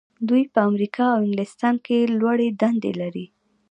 دوی په امریکا او انګلستان کې لوړې دندې لري.